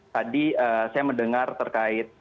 tadi saya mendengar terkait